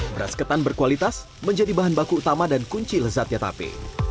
beras ketan berkualitas menjadi bahan baku utama dan kunci lezatnya tape